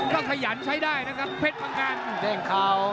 ก็ขยันใช้ได้นะครับเพศพังกันเด้งเขา